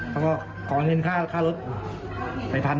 เขาก็ขอเงินค่ารถไป๑๐๐๐บาท